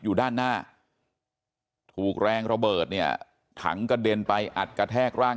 อยู่ด้านหน้าถูกแรงระเบิดเนี่ยถังกระเด็นไปอัดกระแทกร่าง